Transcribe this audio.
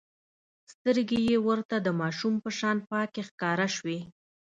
سترګې يې ورته د ماشوم په شان پاکې ښکاره شوې.